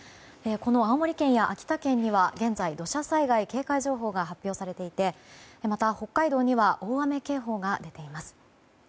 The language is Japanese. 青森県や秋田県には現在、土砂災害警戒情報が発表されていてまた、北海道には大雨警報が出ています。